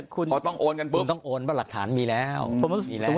คุณต้องโอนเพราะหลักฐานมีแล้ว